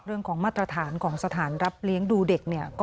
เรื่องของมาตรฐานของสถานรับเลี้ยงดูเด็กเนี่ย